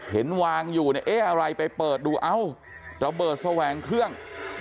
เห็นวางอยู่เนี่ยเอ๊ะอะไรไปเปิดดูเอ้าระเบิดแสวงเครื่อง